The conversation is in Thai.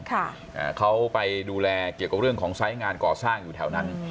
อ่าเขาไปดูแลเกี่ยวกับเรื่องของไซส์งานก่อสร้างอยู่แถวนั้น